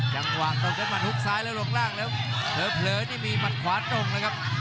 จังหวังตกด้วยหุ้กซ้ายและลงล่างแล้วเผลอนี่มีมันขวาตรงนะครับ